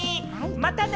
またね！